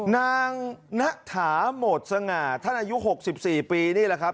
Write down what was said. นางนัทหาหมดสง่าท่านอายุ๖๔ปีนี่แหละครับ